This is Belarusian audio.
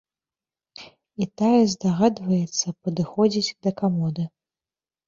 І тая здагадваецца, падыходзіць да камоды.